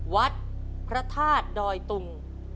วัดพระธาตุดอยตุง